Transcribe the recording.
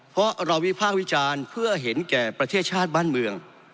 เพราะเราวิภาควิจารณ์เพื่อเห็นแก่ประเทศชาติบ้านเมือง